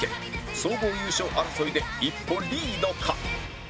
総合優勝争いで一歩リードか